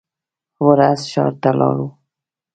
بله ورځ چې ښار ته لاړو.